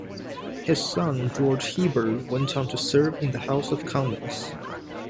His son George Heber went on to serve in the House of Commons.